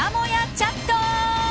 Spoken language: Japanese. チャット。